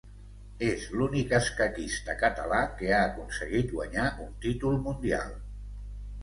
És l'únic escaquista català que ha aconseguit guanyar un títol mundial.